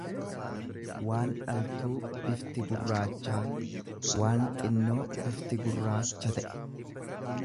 waan dhaltuu bifti gurraachaa; waan xinnoo bifti gurraacha ta'e.